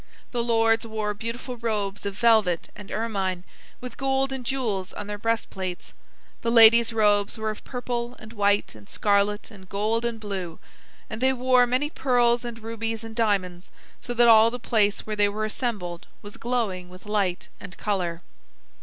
The lords wore beautiful robes of velvet and ermine, with gold and jewels on their breast plates. The ladies' robes were of purple and white and scarlet and gold and blue, and they wore many pearls and rubies and diamonds, so that all the place where they were assembled was glowing with light and color.